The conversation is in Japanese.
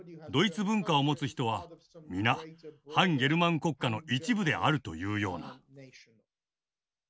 ドイツ文化を持つ人は皆汎ゲルマン国家の一部であるというような。